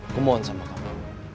kemohon sama kamu